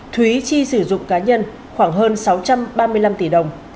thúy chi sử dụng cá nhân khoảng hơn sáu trăm ba mươi năm tỷ đồng